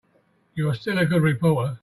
You're still a good reporter.